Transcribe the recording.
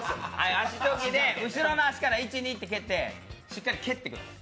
足チョキで後ろの足から１、２と蹴って、しっかり蹴ってください。